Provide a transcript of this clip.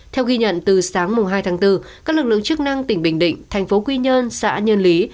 theo ghi nhận từ sáng hai tháng bốn các lực lượng chức năng tỉnh bình định thành phố quy nhơn xã nhơn lý